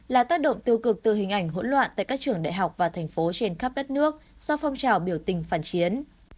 là tác động tiêu cực từ hình ảnh hỗn loạn tại các trường đại học và thành phố trên khắp đất nước do phong trào biểu tình phản chiến